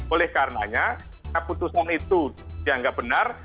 oleh karenanya keputusan itu dianggap benar